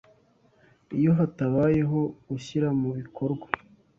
Iyo hatabayeho gushyira mu bikorwa